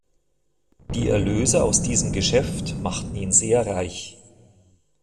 Die Erlöse aus diesem Geschäft machten ihn sehr reich.